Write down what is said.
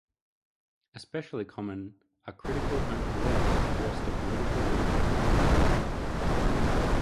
Especially common are critical open letters addressed to political leaders.